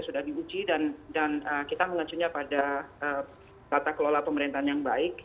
sudah diuji dan kita mengacunya pada tata kelola pemerintahan yang baik